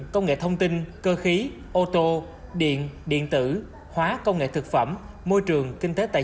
công nghệ thông tin cơ khí ô tô điện điện tử hóa công nghệ thực phẩm môi trường kinh tế tài